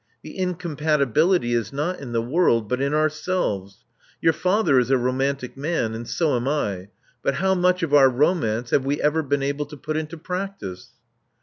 The incompatibility is not in the world, but in ourselves. Your father is a romantic man; and so am I; but how much of our romance have we ever been able to put into practice?